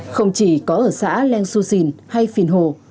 không chỉ có ở xã leng xuxin hay phìn hồ